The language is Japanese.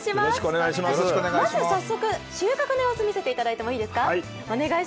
まず早速収穫の様子を見せていただいてもいいですか。